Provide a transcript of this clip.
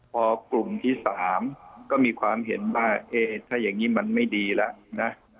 พอกลุ่มที่๓ก็มีความเห็นว่าเอ๊ะถ้าอย่างนี้มันไม่ดีแล้วนะ